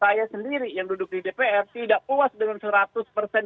saya sendiri yang duduk di dpr tidak puas dengan seratus persen